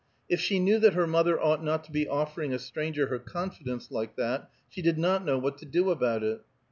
If she knew that her mother ought not to be offering a stranger her confidence like that, she did not know what to do about it.